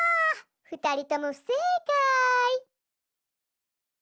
ふたりともふせいかい。